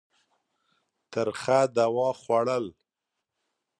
ترخه دوا خوړل.